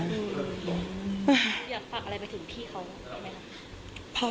อยากฝากอะไรไปถึงที่เขาได้ไหมครับ